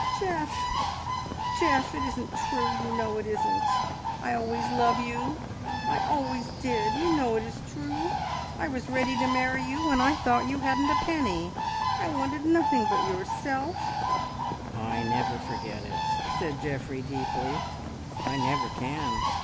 "Geoff, Geoff, it isn't true; you know it isn't. I always love you, I always did. You know it is true. I was ready to marry you when I thought you hadn't a penny. I wanted nothing but yourself." "I never forget it," said Geoffrey deeply; "I never can.